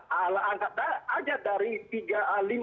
kalau angkat aja dari tiga lima dari pimpinan kpk yang terpilih itu